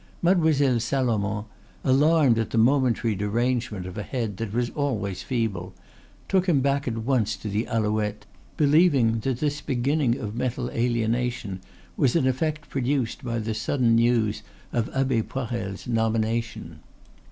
Mademoiselle Salomon, alarmed at the momentary derangement of a head that was always feeble, took him back at once to the Alouette, believing that this beginning of mental alienation was an effect produced by the sudden news of Abbe Poirel's nomination.